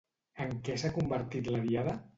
En què s'ha convertit la diada?